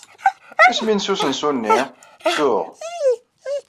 Isem-nnes usensu-nni? Ttuɣ.